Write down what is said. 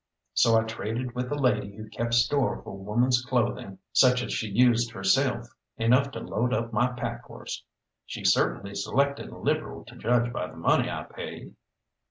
So I traded with a lady who kept store for woman's clothing, such as she used herself, enough to load up my pack horse. She certainly selected liberal to judge by the money I paid.